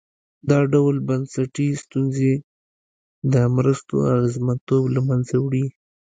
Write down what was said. دا ډول بنسټي ستونزې د مرستو اغېزمنتوب له منځه وړي.